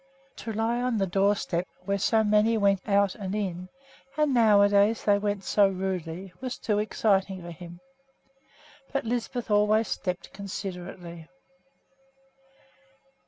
To lie on the doorstep where so many went out and in and nowadays they went so rudely was too exciting for him; but Lisbeth always stepped considerately.